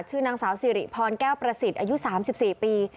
ชื่อนางสาวสิริพรแก้วประสิทธิ์อายุ๓๔ปี